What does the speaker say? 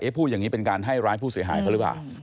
พูดอย่างนี้เป็นการให้ร้ายผู้เสียหายเขาหรือเปล่า